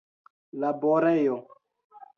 laborejo